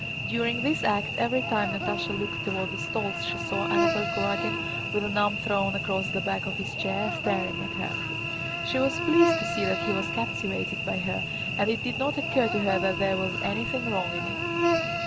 During this act every time Natásha looked toward the stalls she saw Anatole Kurágin with an arm thrown across the back of his chair, staring at her. She was pleased to see that he was captivated by her and it did not occur to her that there was anything wrong in it.